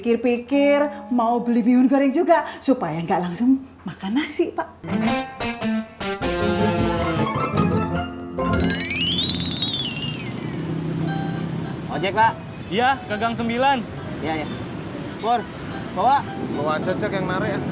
ini kan bulan puasa kamu kan gak jajan